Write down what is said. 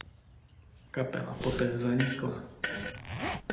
Kapela poté zanikla.